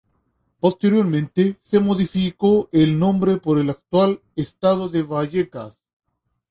Posteriormente se modificó el nombre por el actual, "Estadio de Vallecas".